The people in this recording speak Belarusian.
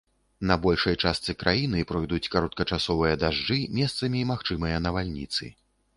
На большай частцы краіны пройдуць кароткачасовыя дажджы, месцамі магчымыя навальніцы.